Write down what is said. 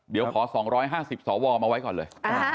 เดี๋ยวขอ๒๕๐สวมาไว้ก่อนเลย